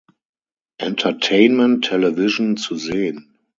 Entertainment Television zu sehen.